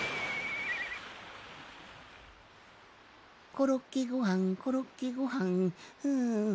「コロッケごはんコロッケごはん」んん。